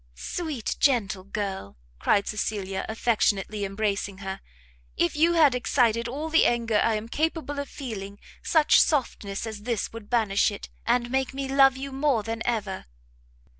"Sweet, gentle girl!" cried Cecilia, affectionately embracing her, "if you had excited all the anger I am capable of feeling, such softness as this would banish it, and make me love you more than ever!"